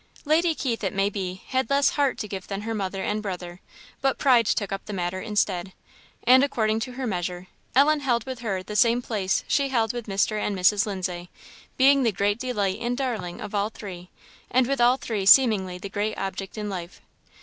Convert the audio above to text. Lady Keith, it may be, had less heart to give than her mother and brother, but pride took up the matter instead; and according to her measure, Ellen held with her the same place she held with Mr. and Mrs. Lindsay, being the great delight and darling of all three, and with all three seemingly the great object in life.